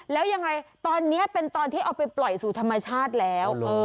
แล้วยังไงตอนนี้เป็นตอนที่เอาไปปล่อยสู่ธรรมชาติแล้ว